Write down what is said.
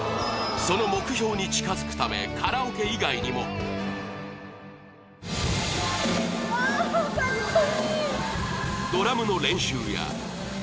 その目標に近づくためカラオケ以外にもわあかっこいい！